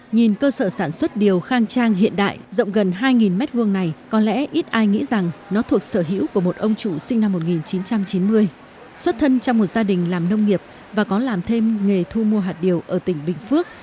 nhìn cơ sở sản xuất điều khang trang hiện đại rộng gần hai m hai này có lẽ ít ai nghĩ rằng nó thuộc sở hữu của một ông chủ sinh năm một nghìn chín trăm chín mươi xuất thân trong một gia đình làm nông nghiệp và có làm thêm nghề thu mua hạt điều ở tỉnh bình phước